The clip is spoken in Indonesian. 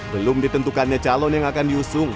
belum ditentukannya calon yang akan diusung